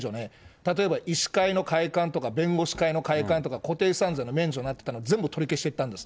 例えば、医師会の会館とか弁護士会の会館とか、固定資産税の免除あったのを全部取り消していったんです。